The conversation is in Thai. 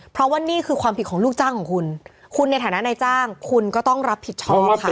เพราะว่านี่คือความผิดของลูกจ้างของคุณคุณในฐานะนายจ้างคุณก็ต้องรับผิดชอบค่ะ